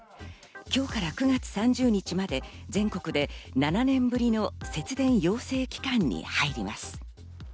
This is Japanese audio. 今日から９月３０日まで全国で７年ぶりの節電要請期間に入ります。